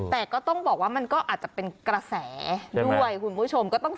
แต่ก็ต้องบอกว่ามันก็อาจจะเป็นกระแสด้วยคุณผู้ชมก็ต้อง